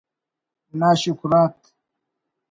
ناشکرات